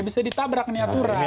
bisa ditabrak nih aturan